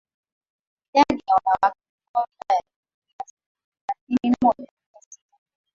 Idadi ya wanawake wakuu wa wilaya imefikia asilimia thelathini na moja nukta sita